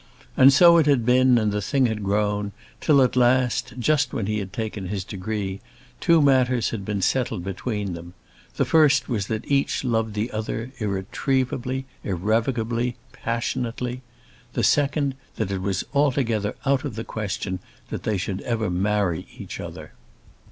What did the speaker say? And so it had been and the thing had grown, till at last, just when he had taken his degree, two matters had been settled between them; the first was that each loved the other irretrievably, irrevocably, passionately; the second, that it was altogether out of the question that they should ever marry each other.